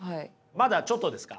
まだちょっとですか？